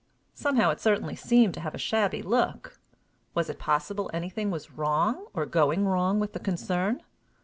Somehow it certainly seemed to have a shabby look! Was it possible anything was wrong or going wrong with the concern?